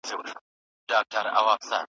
بهرني مرستي باید په فساد کي ضایع نه سي.